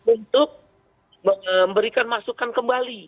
untuk memberikan masukan kembali